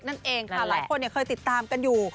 หลายคนเนี่ยเคยติดตามกันอยู่